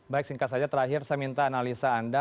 baik singkat saja terakhir saya minta analisa anda